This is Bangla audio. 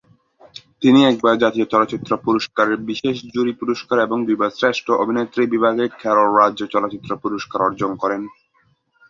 তিনি একবার জাতীয় চলচ্চিত্র পুরস্কারের বিশেষ জুরি পুরস্কার এবং দুইবার শ্রেষ্ঠ অভিনেত্রী বিভাগে কেরল রাজ্য চলচ্চিত্র পুরস্কার অর্জন করেন।